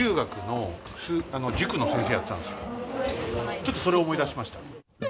ちょっとそれを思い出しました。